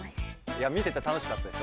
いや見てて楽しかったです